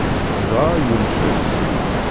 Dɣa, yunef-as.